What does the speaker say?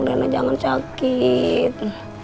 rena jangan sakit